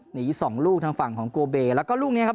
หนีสองลูกทางฝั่งของโกเบแล้วก็ลูกนี้ครับ